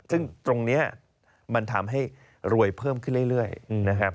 ซึ่งตรงนี้มันทำให้รวยเพิ่มขึ้นเรื่อยนะครับ